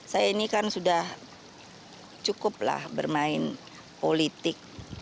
saya ini kan sudah cukup lah bermain politik